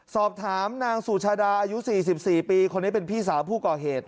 สอบถามนางสุชาดาอายุ๔๔ปีคนนี้เป็นพี่สาวผู้ก่อเหตุ